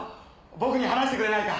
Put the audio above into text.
僕に話してくれないか？